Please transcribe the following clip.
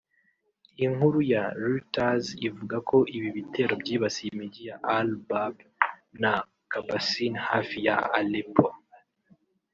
Inkuru ya Reutuers ivuga ko ibi bitero byibasiye imijyi ya Al-Bab na Qabaseen hafi ya Aleppo